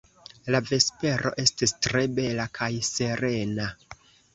La vespero estis tre bela kaj serena.